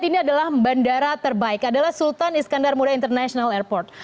ini adalah bandara terbaik adalah sultan iskandar muda international airport